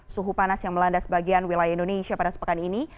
suhu panas yang melanda sebagian wilayah indonesia pada sepekan ini